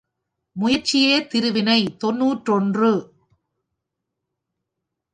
முயற்சியே திருவினை தொன்னூற்றொன்று.